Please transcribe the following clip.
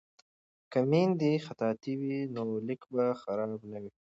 که میندې خطاطې وي نو لیک به خراب نه وي.